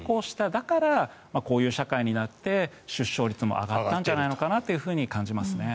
だからこういう社会になって出生率も上がったんじゃないかなと感じますね。